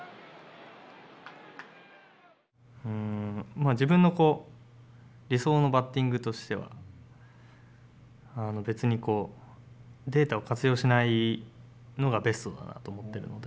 まあ自分のこう理想のバッティングとしては別にデータを活用しないのがベストだなと思ってるので。